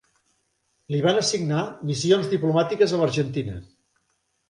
Li van assignar missions diplomàtiques a l'Argentina.